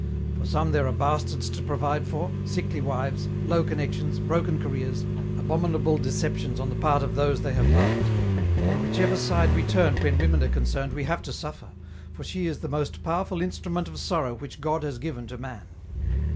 For some there are bastards to provide for, sickly wives, low connections, broken careers, abominable deceptions on the part of those they have loved. On whichever side we turn when women are concerned we have to suffer, for she is the most powerful instrument of sorrow which God has given to man.